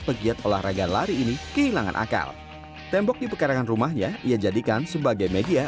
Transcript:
pegiat olahraga lari ini kehilangan akal tembok di pekarangan rumahnya ia jadikan sebagai media